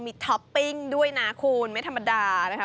มีท็อปปิ้งด้วยนะคุณไม่ธรรมดานะคะ